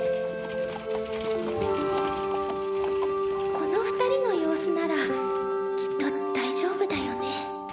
この二人の様子ならきっと大丈夫だよね。